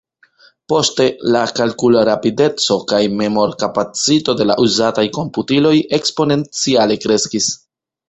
Poste la kalkulrapideco kaj memorkapacito de la uzataj komputiloj eksponenciale kreskis.